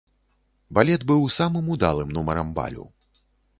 Балет быў самым удалым нумарам балю.